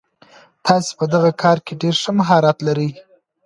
تاسو په دغه کار کي ډېر ښه مهارت لرئ.